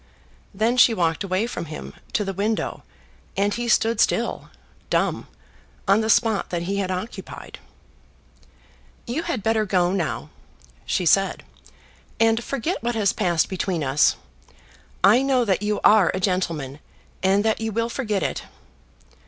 Then she walked away from him to the window, and he stood still, dumb, on the spot that he had occupied. "You had better go now," she said, "and forget what has passed between us. I know that you are a gentleman, and that you will forget it."